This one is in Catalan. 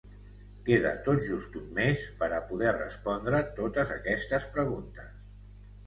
Queda tot just un mes per a poder respondre totes aquestes preguntes.